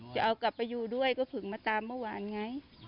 จะเอากลับไปอยู่ด้วยก็ฝึกมาตามเมื่อวานไง